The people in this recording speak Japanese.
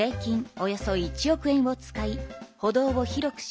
およそ１億円を使い歩道を広くし